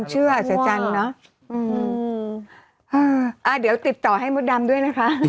หืออ่ะเดี๋ยวติดต่อให้มดดำด้วยนะคะ